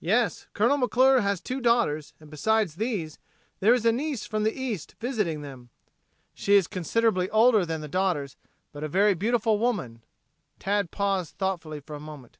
"Yes, Colonel McClure has two daughters, and besides these, there is a niece from the East visiting them. She is considerably older than the daughters, but a very beautiful woman." Tad paused thoughtfully for a moment.